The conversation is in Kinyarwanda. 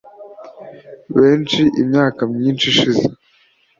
benshi, imyaka myinshi ishize